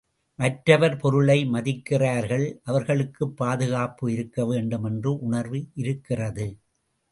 மற்றவர் பொருளை மதிக்கிறார்கள் அவர்களுக்குப் பாதுகாப்பு இருக்கவேண்டும் என்ற உணர்வு இருக்கிறது.